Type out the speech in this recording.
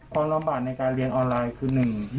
ความลำบัดในการเรียนออนไลน์